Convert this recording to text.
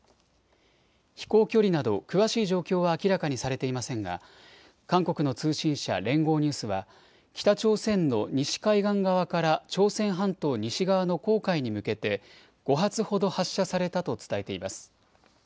飛行距離など詳しい状況は明らかにされていませんが韓国の通信社、連合ニュースは北朝鮮の西海岸側から朝鮮半島西側の黄海に向けて５発ほど発射されたと伝えています。